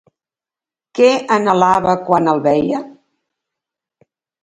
Què anhelava quan el veia?